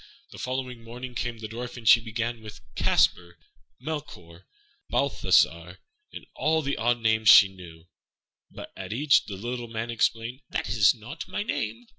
The following morning came the Dwarf, and she began with "Caspar," "Melchior," "Balthassar," and all the odd names she knew; but at each the little Man exclaimed, "That is not my name."